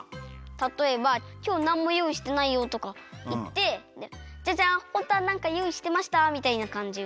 たとえば「きょうなんもよういしてないよ」とかいって「ジャジャン！ホントはなんかよういしてました」みたいなかんじ。